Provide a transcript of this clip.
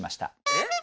え？